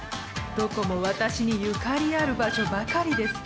どこも私にゆかりある場所ばかりです。